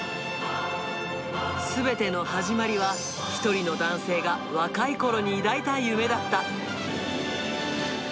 すべての始まりは１人の男性が若いころに抱いた夢だった。